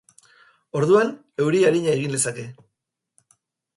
Orduan, euri arina egin lezake.